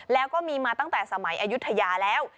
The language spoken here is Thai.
แล้วก็มีมาตั้งแต่สมัยอายุทยาแล้ว